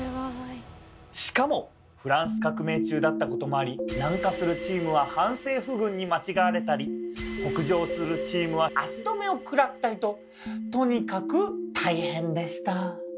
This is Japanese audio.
しかもフランス革命中だったこともあり南下するチームは反政府軍に間違われたり北上するチームは足止めを食らったりととにかく大変でした。